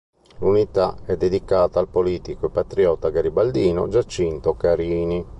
L'unità è dedicata al politico e patriota garibaldino Giacinto Carini.